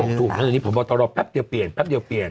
ถูกอันนี้พ่อบอตรอแป๊บเดียวเปลี่ยน